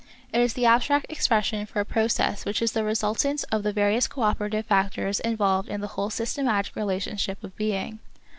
It is the abstract expression for a process which is the resultant of the various cooperative factors involved in the whole Systematic Relationship of Being.